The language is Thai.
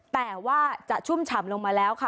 แต่ว่าจะชุ่มฉ่ำลงมาแล้วค่ะ